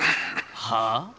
はあ？